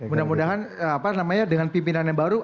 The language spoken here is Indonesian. mudah mudahan dengan pimpinan yang baru